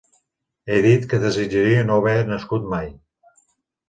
He dit que desitjaria no haver nascut mai.